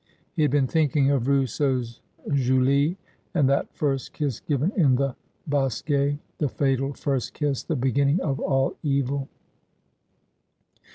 He had been thinking of Rousseau's Julie, and that first kiss given in the bosquet — the fatal first kiss — the beginning of all evil.